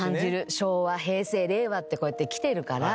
昭和平成令和ってこうやってきてるから。